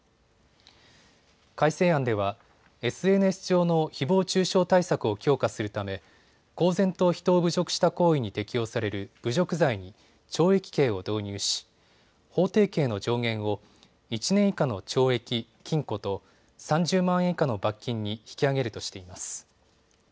改正案ではＳＮＳ上のひぼう中傷対策を強化するため公然と人を侮辱した行為に適用される侮辱罪に懲役刑を導入し、法定刑の上限を１年以下の懲役・禁錮と３０万円以下の罰金に引き上げるとしています。